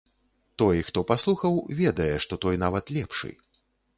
Той, хто паслухаў, ведае, што той, нават лепшы.